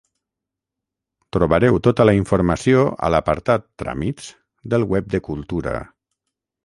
Trobareu tota la informació a l'apartat "Tràmits" del web de Cultura.